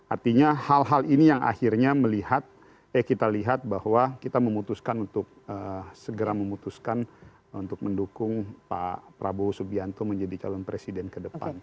artinya hal hal ini yang akhirnya melihat eh kita lihat bahwa kita memutuskan untuk segera memutuskan untuk mendukung pak prabowo subianto menjadi calon presiden ke depan